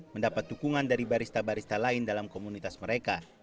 mendapat dukungan dari barista barista lain dalam komunitas mereka